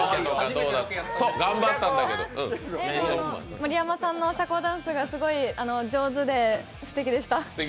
盛山さんの社交ダンスがすごい上手で、すてきでした。